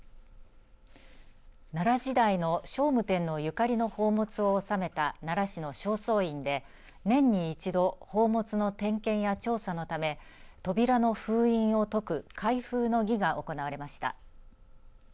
奈良時代の聖武天皇ゆかりの宝物を収めた奈良市の正倉院で年に一度宝物の点検や調査のため扉の封印を解く開封の儀が行われました。